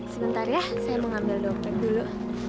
sebentar ya saya mau ambil dompet dulu